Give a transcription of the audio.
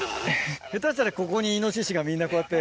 下手したら、ここにイノシシが、みんなこうやって。